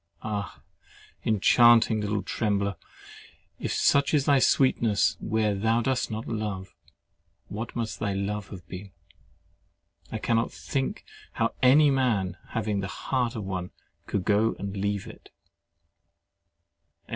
... Ah! enchanting little trembler! if such is thy sweetness where thou dost not love, what must thy love have been? I cannot think how any man, having the heart of one, could go and leave it.